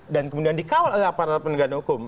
kemudian dikawal oleh aparat penegak hukum